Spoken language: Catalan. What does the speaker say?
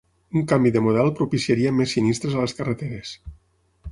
Un canvi de model propiciaria més sinistres a les carreteres